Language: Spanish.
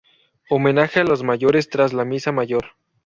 Homenaje a los mayores tras la Misa Mayor.